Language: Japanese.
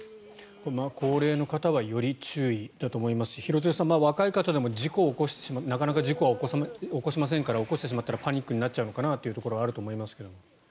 高齢の方はより注意だと思いますし廣津留さん、若い方でも事故を起こしてしまうなかなか事故は起こしませんから起こしてしまったらパニックになっちゃうのかなというところはあるのかなと思いますけど。